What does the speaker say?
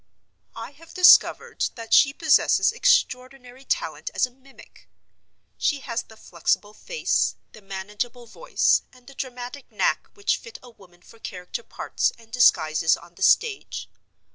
I have discovered that she possesses extraordinary talent as a mimic. She has the flexible face, the manageable voice, and the dramatic knack which fit a woman for character parts and disguises on the stage.